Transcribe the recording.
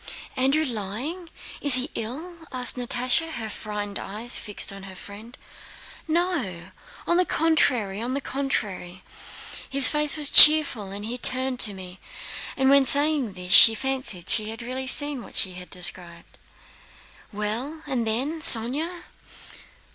"Andrew lying? Is he ill?" asked Natásha, her frightened eyes fixed on her friend. "No, on the contrary, on the contrary! His face was cheerful, and he turned to me." And when saying this she herself fancied she had really seen what she described. "Well, and then, Sónya?..."